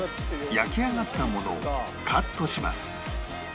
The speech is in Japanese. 焼き上がったものをカットします